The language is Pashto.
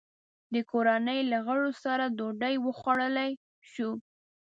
د کورنۍ له غړو سره ډوډۍ وخوړلای شو.